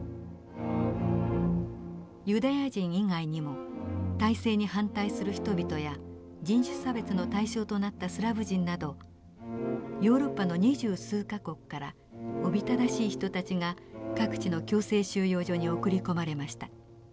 ユダヤ人以外にも体制に反対する人々や人種差別の対象となったスラブ人などヨーロッパの二十数か国からおびただしい人たちが各地の強制収容所に送り込まれました。